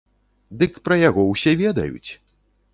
Дык пра яго ўсе ведаюць!